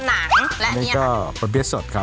อันนี้ก็ปะเปี๊ยะสดครับ